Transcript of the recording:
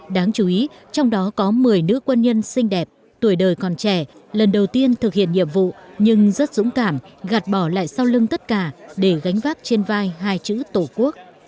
đáng chú ý trong đó có một mươi nữ quân nhân xinh đẹp tuổi đời còn trẻ lần đầu tiên thực hiện nhiệm vụ nhưng rất dũng cảm gạt bỏ lại sau lưng tất cả để gánh vác trên vai hai chữ tổ quốc